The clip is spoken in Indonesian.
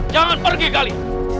jangan pergi gali